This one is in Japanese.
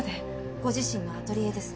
ご自身のアトリエです。